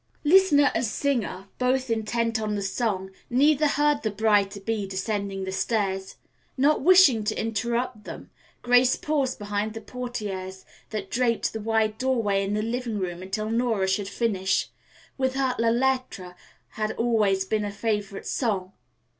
Listener and singer both intent on the song, neither heard the bride to be descending the stairs. Not wishing to interrupt them, Grace paused behind the portieres that draped the wide doorway into the living room until Nora should finish. With her, "La Lettre" had always been a favorite song.